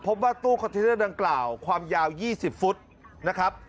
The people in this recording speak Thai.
พบว่าตู้คอนเทนเนอร์ดังกล่าวความยาว๒๐ฟุตนะครับ